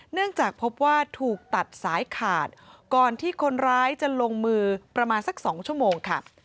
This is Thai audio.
เนื่องจากพบว่าถูกตัดสายขาดก่อนที่คนร้ายจะลงมือประมาณสัก๒ชั่วโมงค่ะ